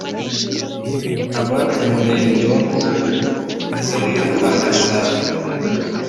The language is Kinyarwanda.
aba mu murenge wa bumbogo akarere ka gasabo